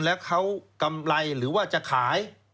แล้วเขากำไรหรือว่าจะขาย